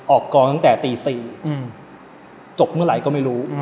ออกกองตั้งแต่ตี๔จบเมื่อไหร่ก็ไม่รู้